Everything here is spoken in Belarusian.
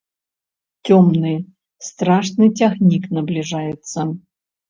Цёмны, страшны цягнік набліжаецца.